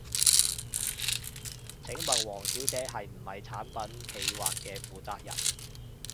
請問王小姐係唔係產品企劃嘅負責人呢？